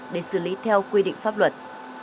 để xử lý theo quy định pháp luật